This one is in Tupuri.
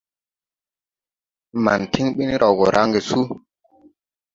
Man tiŋ ɓin raw gɔ raŋge su.